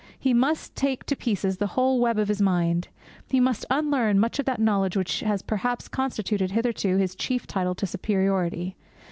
He must take to pieces the whole web of his mind. He must unlearn much of that knowledge which has perhaps constituted hitherto his chief title to superiority.